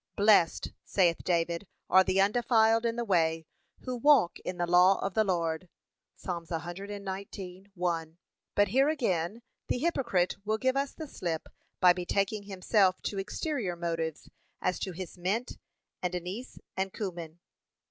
'Blessed,' saith David, 'are the undefiled in the way, who walk in the law of the Lord.' (Ps. 119:1) But here again the hypocrite will give us the slip by betaking himself to exterior matters, as to his 'mint and anise and cummin.'